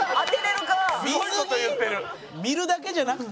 見るだけじゃなくて？